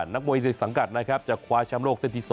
นักมวยในสังกัดนะครับจะคว้าแชมป์โลกเส้นที่๒